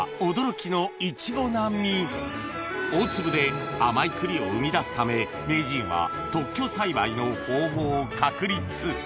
大粒で甘い栗を生み出すため名人は特許栽培の方法を確立